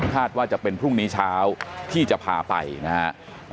ว่าจะเป็นพรุ่งนี้เช้าที่จะพาไปนะฮะ